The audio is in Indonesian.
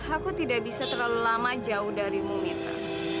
aku tidak bisa terlalu lama jauh darimu itu